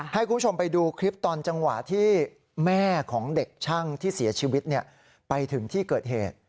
ให้คุณผู้ชมไปดูคลิปตอนจังหวะที่แม่ของเด็กช่างที่เสียชีวิตไปถึงที่เกิดเหตุ